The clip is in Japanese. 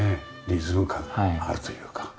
リズム感があるというか。